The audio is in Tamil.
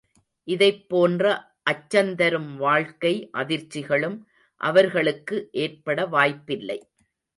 இதைப் போன்ற அச்சந்தரும் வாழ்க்கை அதிர்ச்சிகளும் அவர்களுக்கு ஏற்பட வாய்ப்பில்லை.